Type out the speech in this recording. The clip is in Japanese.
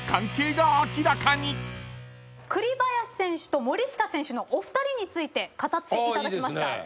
栗林選手と森下選手のお二人について語っていただきました。